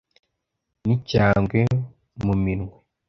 n’icyangwe mu minwe